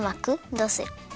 どうする？